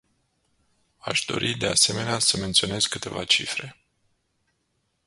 Aș dori, de asemenea, să menționez câteva cifre.